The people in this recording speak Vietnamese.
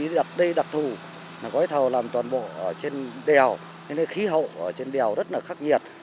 đặc đề đặc thù có thể thầu làm toàn bộ trên đèo nên khí hậu trên đèo rất khắc nhiệt